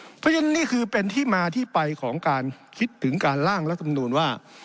เพราะฉะนั้นนี่คือเป็นที่มาที่ไปของการคิดถึงการล่างรัฐมนูลว่า